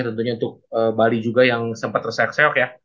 tentunya untuk bali juga yang sempat terseok seok ya